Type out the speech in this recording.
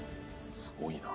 すごいな。